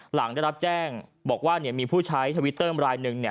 หลังได้รับแจ้งบอกว่ามีผู้ใช้ทวิตเตอร์รายหนึ่ง